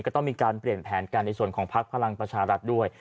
ก็ต้องมีการเปลี่ยนแผนกันในส่วนของพักพลังประชารัฐด้วย